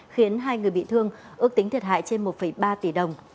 khiến hai người bị thương ước tính thiệt hại trên một ba tỷ đồng